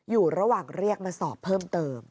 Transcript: อยู่ระหว่างเรียกมาสอบเพิ่มเติม